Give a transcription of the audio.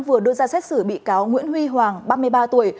vừa đưa ra xét xử bị cáo nguyễn huy hoàng ba mươi ba tuổi